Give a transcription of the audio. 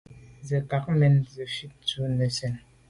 Ndɔ̌lî zə̀ mə̀kát fít nə̀ tswə́ bû zə̀ nə́ sɛ́n.